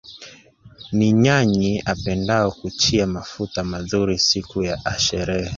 Ni nyanyi* apendao kuchia mafuta madhuri siku a sherehe.